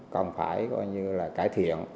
còn phải coi như là cải thiện